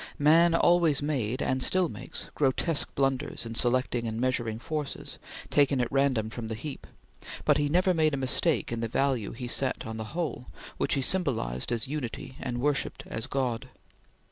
Man always made, and still makes, grotesque blunders in selecting and measuring forces, taken at random from the heap, but he never made a mistake in the value he set on the whole, which he symbolized as unity and worshipped as God.